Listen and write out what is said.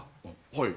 はい。